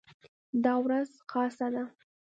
دا ورځ خاصه ده.